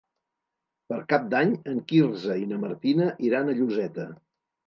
Per Cap d'Any en Quirze i na Martina iran a Lloseta.